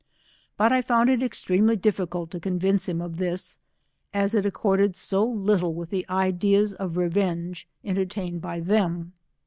But I found it extremely difficult to convince him of this, as it accorded so little with the ideas of revenge enterlaiued by them.